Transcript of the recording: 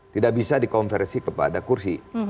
tidak bisa dikonversi kepada kursi